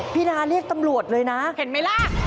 นาเรียกตำรวจเลยนะเห็นไหมล่ะ